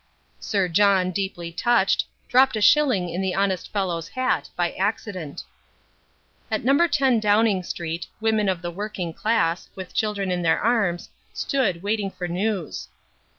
Sir John, deeply touched, dropped a shilling in the honest fellow's hat, by accident. At No. 10 Downing Street, women of the working class, with children in their arms, stood waiting for news.